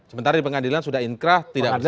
sebentar di pengadilan sudah inkrah tidak bersalah